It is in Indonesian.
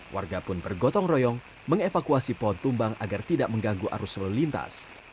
warga pun bergotong royong mengevakuasi pohon tumbang agar tidak mengganggu arus lalu lintas